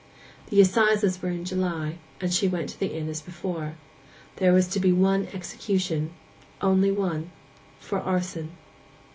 The assizes were in July, and she went to the inn as before. There was to be one execution—only one—for arson.